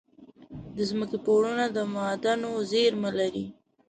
د ځمکې پوړونه د معادنو زیرمه لري.